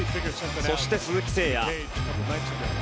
そして鈴木誠也。